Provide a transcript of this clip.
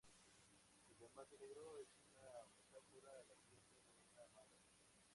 El diamante negro es una metáfora a la belleza de una amada.